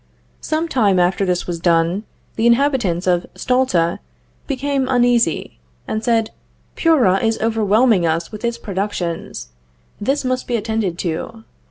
Some time after this was done, the inhabitants of Stulta became uneasy, and said: Puera is overwhelming us with its productions; this must be attended to.